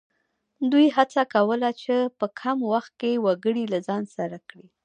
دوی هڅه کوله چې په کم وخت کې وګړي له ځان سره کړي.